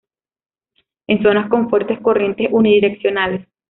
En zonas con fuertes corrientes unidireccionales.